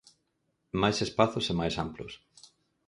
Máis espazos e máis amplos.